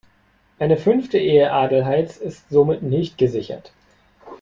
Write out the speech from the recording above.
Eine fünfte Ehe Adelheids ist somit nicht gesichert.